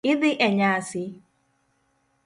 Idhi e nyasi?